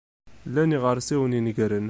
Llan yiɣersiwen inegren.